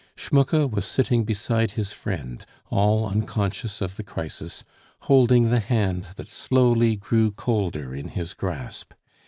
Schmucke was sitting beside his friend, all unconscious of the crisis, holding the hand that slowly grew colder in his grasp.